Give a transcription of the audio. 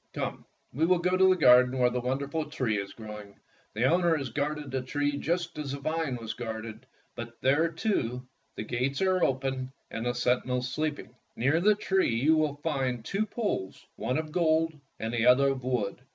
Come, we will go to the garden where the wonder ful tree is growing. The owner has guarded the tree just as the vine was guarded, but there, too, the gates are open and the senti nels sleeping. Near the tree you will find two poles, one of gold and the other of wood.